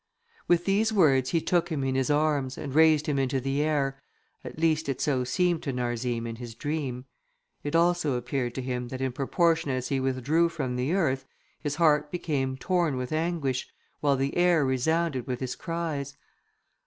With these words, he took him in his arms, and raised him into the air; at least so it seemed to Narzim in his dream. It also appeared to him, that in proportion as he withdrew from the earth, his heart became torn with anguish, while the air resounded with his cries.